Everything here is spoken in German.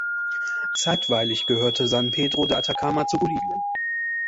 Zeitweilig gehörte San Pedro de Atacama zu Bolivien.